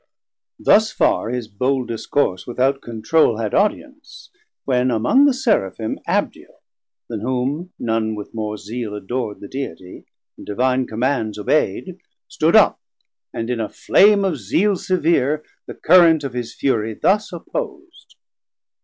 Thus farr his bold discourse without controule 800 Had audience, when among the Seraphim Abdiel, then whom none with more zeale ador'd The Deitie, and divine commands obei'd, Stood up, and in a flame of zeale severe The current of his fury thus oppos'd.